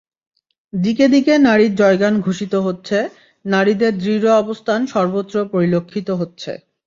দিকে দিকে নারীর জয়গান ঘোষিত হচ্ছে, নারীদের দৃঢ় অবস্থান সর্বত্র পরিলক্ষিত হচ্ছে।